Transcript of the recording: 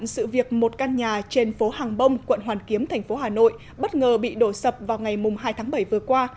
sự việc một căn nhà trên phố hàng bông quận hoàn kiếm thành phố hà nội bất ngờ bị đổ sập vào ngày hai tháng bảy vừa qua